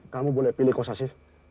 kamu boleh pilih kosasi